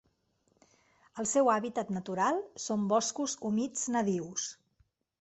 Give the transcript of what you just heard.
El seu hàbitat natural són boscos humits nadius.